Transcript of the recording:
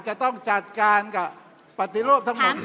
จะต้องจัดการกับปฏิรูปทั้งหมด